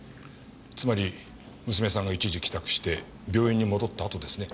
つまり娘さんが一時帰宅して病院に戻ったあとですね。